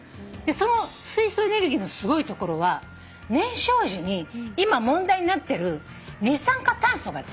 その水素エネルギーのすごいところは燃焼時に今問題になってる二酸化炭素が出ないんです。